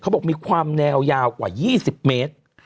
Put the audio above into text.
บอกมีความแนวยาวกว่า๒๐เมตร